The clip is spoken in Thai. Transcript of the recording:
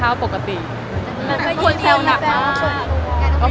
มันควรเซลล์หนักมาก